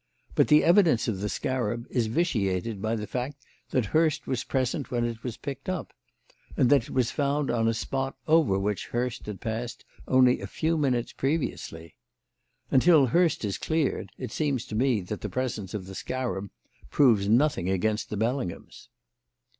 But the evidence of the scarab is vitiated by the fact that Hurst was present when it was picked up, and that it was found on a spot over which Hurst had passed only a few minutes previously. Until Hurst is cleared, it seems to me that the presence of the scarab proves nothing against the Bellinghams."